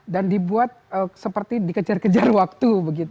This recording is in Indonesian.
dan dibuat seperti dikejar kejar waktu